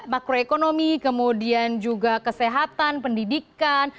makro ekonomi kemudian juga kesehatan pendidikan